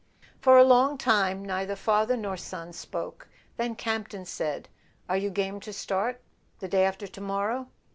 For a long time neither father nor son spoke; then Campton said: "Are you game to start the day after to morrow?"